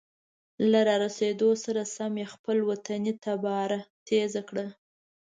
له را رسیدو سره سم یې خپله وطني تباره تیزه کړه.